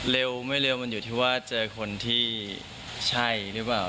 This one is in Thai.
เร็วไม่เร็วมันอยู่ที่ว่าเจอคนที่ใช่หรือเปล่า